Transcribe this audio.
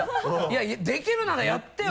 できるならやってよ！